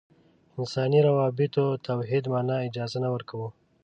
انساني روابطو توحید معنا اجازه نه ورکوو.